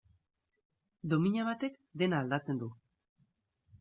Domina batek dena aldatzen du.